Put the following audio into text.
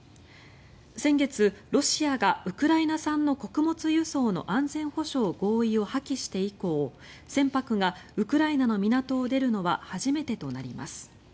先月、ロシアがウクライナ産の穀物輸送の安全保障合意を破棄して以降船舶がウクライナの港を出るのは初めてとなります。